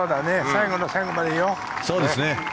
最後の最後までいよう。